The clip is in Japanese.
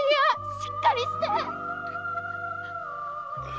しっかりして！